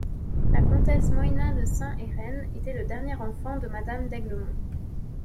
La comtesse Moïna de Saint-Héreen était le dernier enfant de madame d’Aiglemont.